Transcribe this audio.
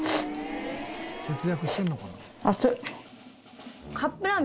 節約してるのかな？